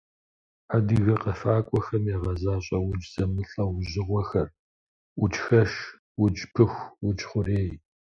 Адыгэ къэфакӏуэхэм ягъэзащӏэ удж зэмылӏэужьыгъуэхэр: уджхэш, удж пыху, удж хъурей.